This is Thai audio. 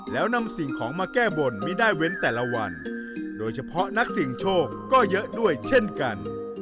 แล้วนำสิ่งของมาแก้บนไม่ได้เว้นแต่ละวันโดยเฉพาะนักเสี่ยงโชคก็เยอะด้วยเช่นกัน